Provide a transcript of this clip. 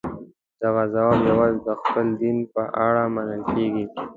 دغه ځواب یوازې د خپل دین په اړه منل کېږي.